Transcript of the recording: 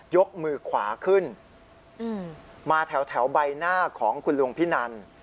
ยกมือขวาขึ้นมาแถวใบหน้าของคุณลุงพินัน